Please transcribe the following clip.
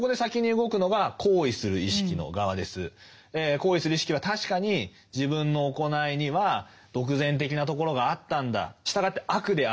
行為する意識は確かに自分の行いには独善的なところがあったんだ。